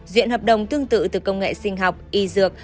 diện hợp đồng tương tự từ công nghệ sinh học y dược